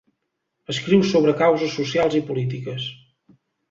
Escriu sobre causes socials i polítiques.